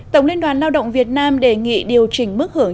tổng liên đoàn lao động việt nam đề nghị điều chỉnh mức hưởng